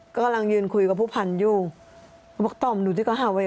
ก็กำลังยืนคุยกับผู้ผันอยู่บอกต่ำหนูที่ก็หาไว้